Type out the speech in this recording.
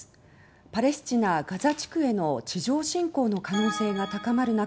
パレスチナ・ガザ地区への地上侵攻の可能性が高まる中